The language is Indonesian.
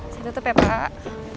saya tutup ya pak